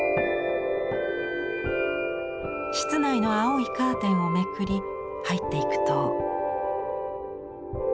室内の青いカーテンをめくり入っていくと。